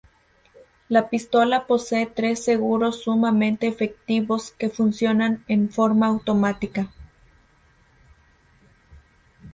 La pistola posee tres seguros sumamente efectivos que funcionan en forma automática.